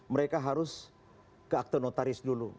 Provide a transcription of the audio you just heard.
mereka harus ke akte notaris dulu